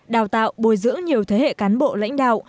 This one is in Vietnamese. đào tạo bồi dưỡng nhiều thế hệ cán bộ lãnh đạo